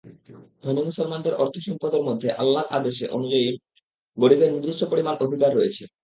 ধনী মুসলমানদের অর্থসম্পদের মধ্যে আল্লাহর আদেশ অনুযায়ী গরিবের নির্দিষ্ট পরিমাণ অধিকার রয়েছে।